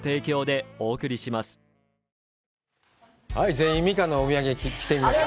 全員美佳のお土産、着てみました。